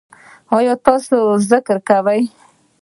ایا تاسو ذکر کوئ؟